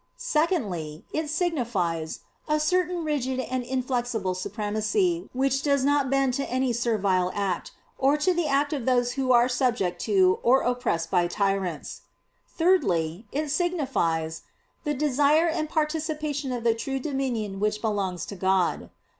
Secondly, it signifies "a certain rigid and inflexible supremacy which does not bend to any servile act, or to the act of those who are subject to or oppressed by tyrants." Thirdly, it signifies "the desire and participation of the true dominion which belongs to God."